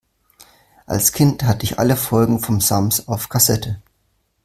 Als Kind hatte ich alle Folgen vom Sams auf Kassette.